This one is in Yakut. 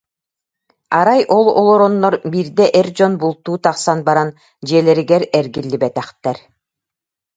Арай ол олороннор, биирдэ эр дьон бултуу тахсан баран, дьиэлэригэр эргиллибэтэхтэр